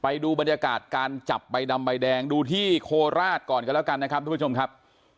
ไปดูบรรยากาศการจับใบดำใบแดงดูที่โคราชก่อนกันแล้วกันนะครับทุกผู้ชมครับ